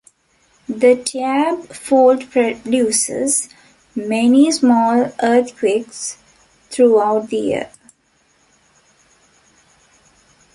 The Tyabb Fault produces many small earthquakes throughout the year.